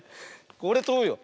これとぶよ。